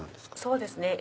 そうですね。